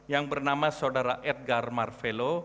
yang bernama saudara edgar marvelo